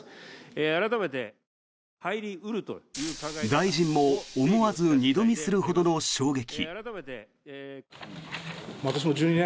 大臣も思わず二度見するほどの衝撃。